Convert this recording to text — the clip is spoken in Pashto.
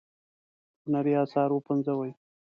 هنري آثار وپنځوي.